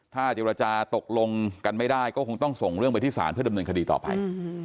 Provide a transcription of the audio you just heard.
ถ้าเจรจาตกลงกันไม่ได้ก็คงต้องส่งเรื่องไปที่ศาลเพื่อดำเนินคดีต่อไป